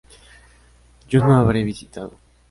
Yo no habré visitado